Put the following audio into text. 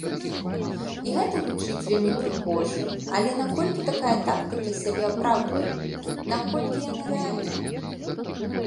І гэта гучыць вельмі прыгожа, але наколькі такая тактыка сябе апраўдвае, наколькі яна рэальная?